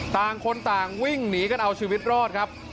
ต่างคนต่างวิ่งหนีกันเอาชีวิตรอดครับ